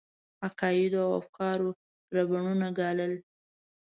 عقایدو او افکارو ربړونه ګالل.